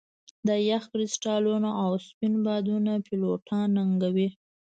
د یخ کرسټالونه او سپین بادونه پیلوټان ننګوي